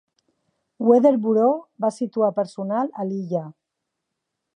Weather Bureau va situar personal a l'illa.